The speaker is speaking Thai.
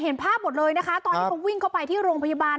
เห็นภาพหมดเลยนะคะตอนที่เขาวิ่งเข้าไปที่โรงพยาบาล